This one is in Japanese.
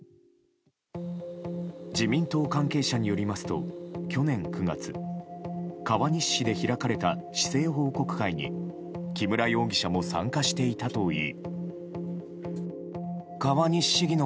自民党関係者によりますと去年９月川西市で開かれた市政報告会に木村容疑者も参加していたといい。